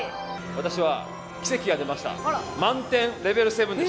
私は奇跡が出ました。